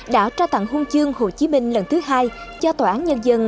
đã trao tặng huân chương hồ chí minh lần thứ hai cho tòa án nhân dân